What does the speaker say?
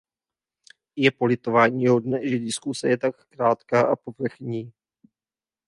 Je politováníhodné, že diskuse je tak krátká a povrchní.